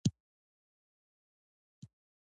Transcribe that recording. شېخ بستان برېڅ په قوم بړېڅ ؤ.